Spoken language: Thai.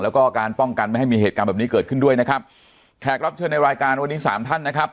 แล้วก็การป้องกันไม่ให้มีเหตุการณ์แบบนี้เกิดขึ้นด้วยนะครับแขกรับเชิญในรายการวันนี้สามท่านนะครับ